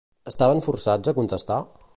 Estaven forçats a contestar?